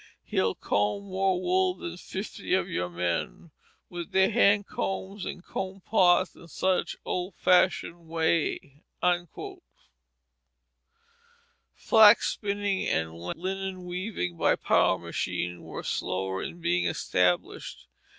He'll comb more wool than fifty of your men With their hand combs, and comb pots, and such old fashioned way." Flax spinning and linen weaving by power machinery were slower in being established.